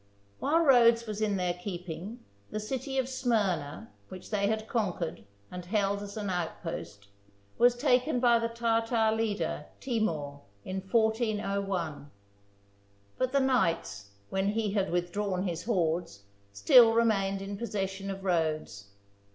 While Rhodes was in their keeping, the city of Smyrna, which they had conquered and held as an outpost, was taken by the Tartar leader, Timour, in 1401. But the knights, when he had withdrawn his hordes, still remained in possession of Rhodes.